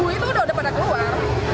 yang rp satu itu sudah pada keluar